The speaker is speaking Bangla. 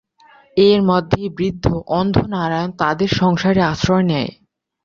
এর মধ্যেই বৃদ্ধ অন্ধ নারায়ণ তাদের সংসারে আশ্রয় নেয়।